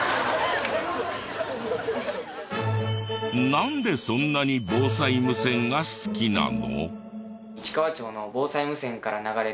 なんでそんなに防災無線が好きなの？